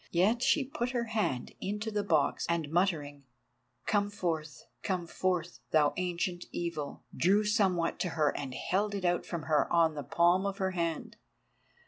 Yet she put her hand into the box, and muttering "Come forth—come forth, thou Ancient Evil," drew somewhat to her and held it out from her on the palm of her hand.